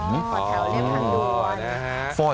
อ๋อแถวเรียบด่วน